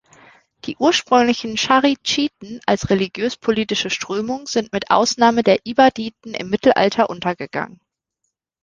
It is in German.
Die ursprünglichen Charidschiten als religiös-politische Strömung sind mit Ausnahme der Ibaditen im Mittelalter untergegangen.